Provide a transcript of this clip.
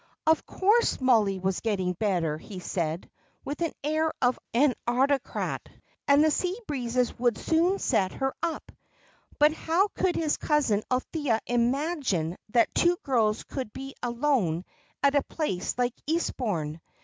"Of course, Mollie was getting better," he said, with the air of an autocrat, and the sea breezes would soon set her up. But how could his cousin Althea imagine that two girls could be alone at a place like Eastbourne?